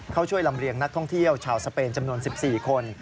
เข้าช่วยลำเรียงนักท่องเที่ยวชาวสเปนจำนวน๑๔คน